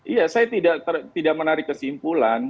iya saya tidak menarik kesimpulan